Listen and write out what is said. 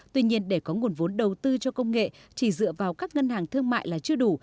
tuy nhiên để có nguồn vốn đầu tư cho công nghệ chỉ dựa vào các ngân hàng thương mại là chưa đủ